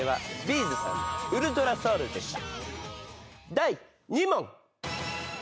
第２問。